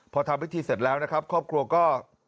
พอทำพิธีเสร็จแล้วนะครับครอบครัวก็